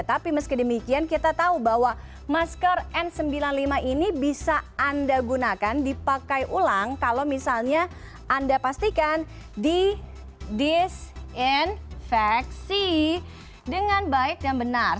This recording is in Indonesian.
tapi meski demikian kita tahu bahwa masker n sembilan puluh lima ini bisa anda gunakan dipakai ulang kalau misalnya anda pastikan di disinfeksi dengan baik dan benar